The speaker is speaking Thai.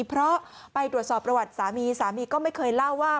เพราะไปตรวจสอบประวัติสามีสามีก็ไม่เคยเล่าว่า